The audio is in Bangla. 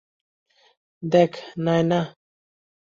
দেখ, নায়না।